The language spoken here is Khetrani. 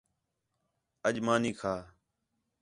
اَڄ مانی کھا